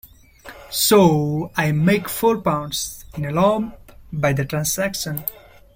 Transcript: So I make four pounds — in a lump — by the transaction!